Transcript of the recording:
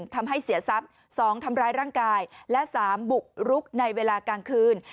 ทำให้เสียทรัพย์๒ทำร้ายร่างกายและ๓บุกรุกในเวลากลางคืน